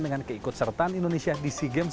dengan keikut sertaan indonesia di sea games